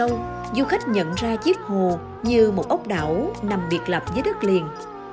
càng đi vào sâu du khách nhận ra chiếc hồ như một ốc đảo nằm biệt lập với đất liền